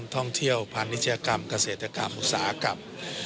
ต้องเที่ยวพันธุ์นิชยากรรมเกษตรกรรมอุตสาหกรรม